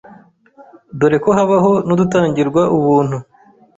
dore ko habaho n’udutangirwa ubuntu.